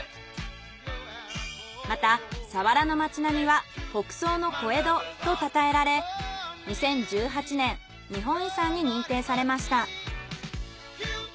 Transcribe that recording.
また佐原の街並みは北総の小江戸とたたえられ２０１８年日本遺産に認定されました。